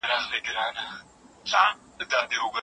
د پوهې لاره تل د کتاب له مخي تيريږي او رڼا خپروي.